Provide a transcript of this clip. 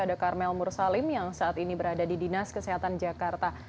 ada karmel mursalim yang saat ini berada di dinas kesehatan jakarta